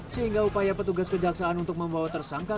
sehingga upaya petugas kejaksaan untuk membawa tersangka